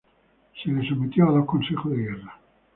Se le sometió a dos consejos de guerra.